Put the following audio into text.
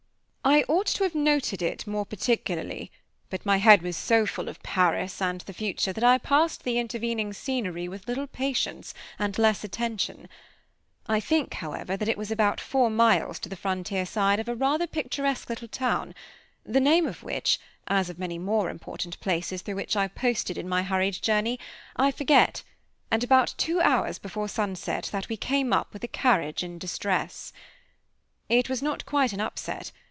I ought to have noted it more particularly, but my head was so full of Paris and the future that I passed the intervening scenery with little patience and less attention; I think, however, that it was about four miles to the frontier side of a rather picturesque little town, the name of which, as of many more important places through which I posted in my hurried journey, I forget, and about two hours before sunset, that we came up with a carriage in distress. It was not quite an upset.